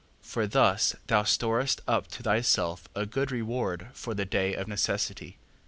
4:10. For thus thou storest up to thyself a good reward for the day of necessity.